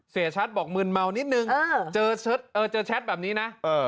เสียชัดบอกมืนเมานิดนึงเจอแชทแบบนี้นะ